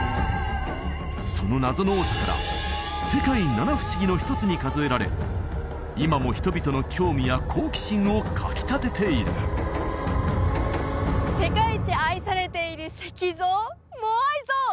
その謎の多さからの一つに数えられ今も人々の興味や好奇心をかき立てている世界一愛されている石像モアイ像！